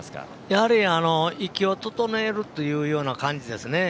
やはり息を整えるというような感じですね。